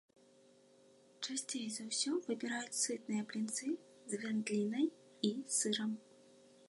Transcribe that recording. Часцей за ўсё выбіраюць сытныя блінцы з вяндлінай і сырам.